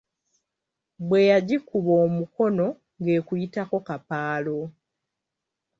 Bwe yagikuba omukono, ng'ekuyitako kapaalo.